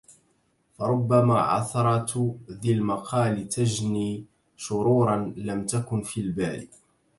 فربَّما عَثْرةُ ذي المقالِ تجْني شروراً لم تَكُنْ في البالِ